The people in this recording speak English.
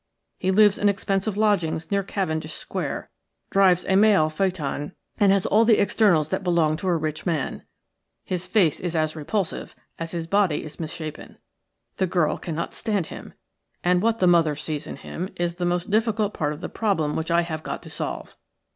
He lives in expensive lodgings near Cavendish Square, drives a mail phaeton, and has all the externals that belong to a rich man. His face is as repulsive as his body is misshapen. The girl cannot stand him, and what the mother sees in him is the most difficult part of the problem which I have got to solve.